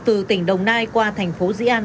từ tỉnh đồng nai qua thành phố dĩ an